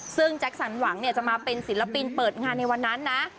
ซึ่งแจ็คสันหวังจะมาเป็นศิลปินเปิดงานในวันนั้นนะ